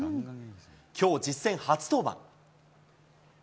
きょう実戦初登板。